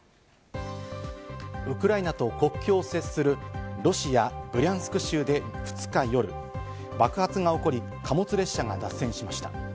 ウクライナと国境を接するロシア・ブリャンスク州で２日夜、爆発が起こり、貨物列車が脱線しました。